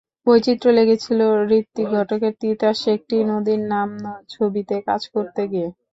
বৈচিত্র্য লেগেছিল ঋত্বিক ঘটকের তিতাস একটি নদীর নাম ছবিতে কাজ করতে গিয়ে।